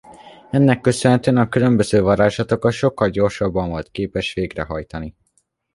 Ennek köszönhetően a különböző varázslatokat sokkal gyorsabban volt képes végrehajtani.